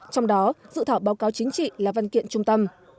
trong đó dự thảo báo cáo chính trị là văn kiện trung tâm